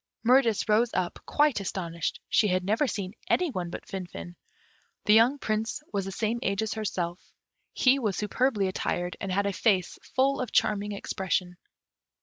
Mirtis rose up, quite astonished; she had never seen any one but Finfin. The young Prince was the same age as herself. He was superbly attired, and had a face full of charming expression.